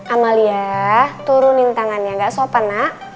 amalia turunin tangannya gak sopan nak